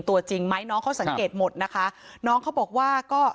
ตัวจริงไหมน้องเขาสังเกตหมดนะคะน้องเขาบอกว่าก็